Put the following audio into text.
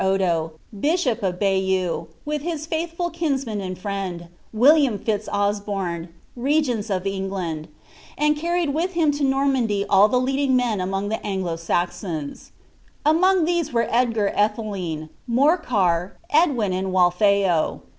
Odo, 'bishop of Bayeux,* with his faithful kinsman and friend, William Fio L Osbarn, r^cnla of England ; and carrinl with him to Motninndy all ibe pleading men among the Anglu SaxonB, Among these were Edgar Alhd ■JDg, Morcar, Edwin, and Wallheor.'